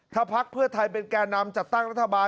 ถ้าพักเพื่อไทยเป็นแก่นำจัดตั้งรัฐบาล